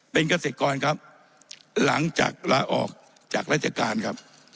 เป็นเกษตรกรครับหลังจากลาออกจากราชการครับ